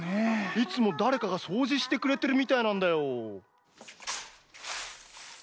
いつもだれかがそうじしてくれてるみたいなんだよ。